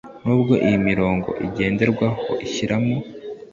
nubwo iyi mirongo ngenderwaho ishyiramo